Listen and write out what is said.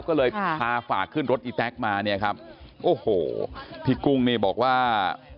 ก็เลยพาฝากขึ้นรถอีแต๊กมาพี่กุ้งบอกว่า